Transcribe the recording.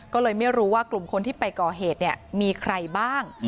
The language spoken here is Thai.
ก็เลยไม่รู้ว่ากลุ่มคนที่ไปก่อเหตุมีใครบ้าง